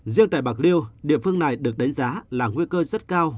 riêng tại bạc liêu địa phương này được đánh giá là nguy cơ rất cao